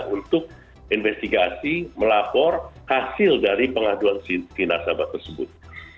untuk investigasi melapor hasil dari pengaduan si nasabah tersebut